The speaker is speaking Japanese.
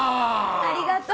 ありがとう。